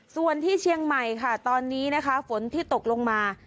ส่วนที่เชียงใหม่ค่ะตอนนี้นะคะฝนที่ตกลงมา